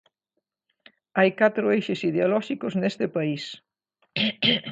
Hai catro eixes ideolóxicos neste País.